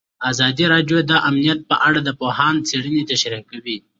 ازادي راډیو د امنیت په اړه د پوهانو څېړنې تشریح کړې.